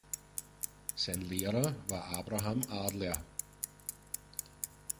Sein Lehrer war Abraham Adler.